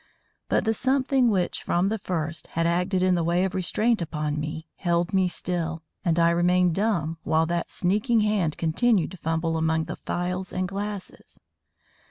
But the something which from the first had acted in the way of restraint upon me, held me still, and I remained dumb while that sneaking hand continued to fumble among the phials and glasses.